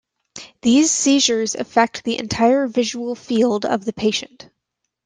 These seizures affect the entire visual field of the patient.